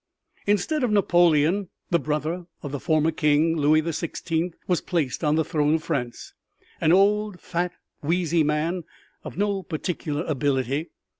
Instead of Napoleon the brother of the former king, Louis the Sixteenth, was placed on the throne of France an old, fat, wheezy man of no particular ability.